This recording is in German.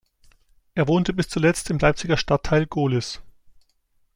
Er wohnte bis zuletzt im Leipziger Stadtteil Gohlis.